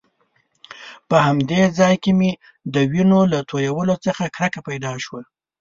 په همدې ځای کې مې د وینو له تويولو څخه کرکه پیدا شوه.